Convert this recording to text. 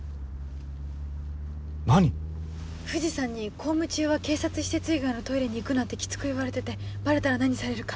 何⁉藤さんに公務中は警察施設以外のトイレに行くなってキツく言われててバレたら何されるか。